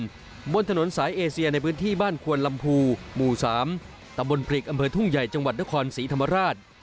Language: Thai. บนถนนสายเอเซียในพื้นที่บ้านควนลำพูหมู่๓ตำบลปริกอำเภอทุ่งใหญ่จังหวัดนครศรีธรรมราช